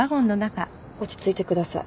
落ち着いてください。